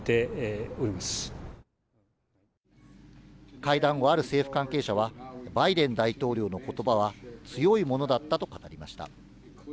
会談後、ある政府関係者はバイデン大統領の言葉は強いものだったと語りました。